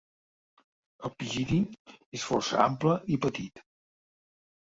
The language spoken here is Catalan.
El pigidi és força ample i petit.